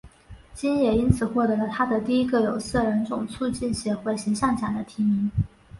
金也因此获得了她的第一个有色人种促进协会形象奖的提名。